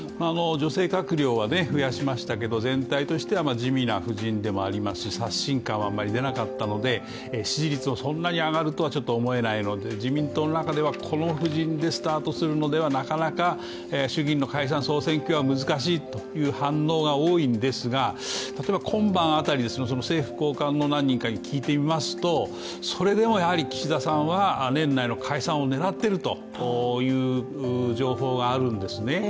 女性閣僚は増やしましたけど全体としては地味な布陣でもありますし刷新感はあまり出なかったので支持率もそんなに上がると思えない、自民党の中ではこの布陣でスタートするのはなかなか衆議院の解散総選挙は難しいという反応が多いんですが例えば今晩あたりに政府高官の何人かに聞いてみますとそれでも岸田さんは年内の解散を狙っているという情報があるんですね。